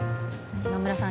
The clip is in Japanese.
嶋村さん